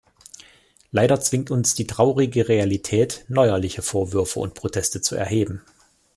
Leider zwingt uns die traurige Realität, neuerliche Vorwürfe und Proteste zu erheben.